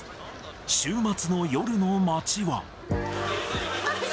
週末の夜の街は。